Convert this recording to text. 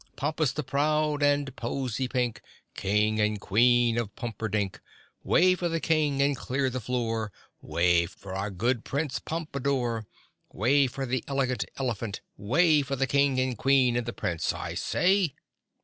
"Pompus the Proud And Pozy Pink, King and Queen Of Pumperdink— Way for the King And clear the floor, Way for our good Prince Pompadore. Way for the Elegant Elephant—Way For the King and The Queen and the Prince, I say!"